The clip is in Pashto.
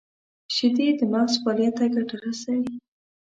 • شیدې د مغز فعالیت ته ګټه رسوي.